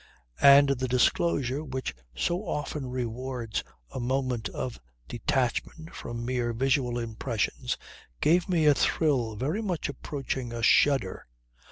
And the disclosure which so often rewards a moment of detachment from mere visual impressions gave me a thrill very much approaching a shudder.